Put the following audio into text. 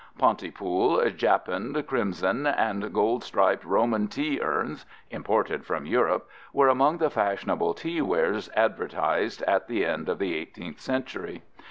"Ponty pool, japanned, crimson, and gold striped Roman tea urns" imported from Europe were among the fashionable teawares advertised at the end of the 18th century.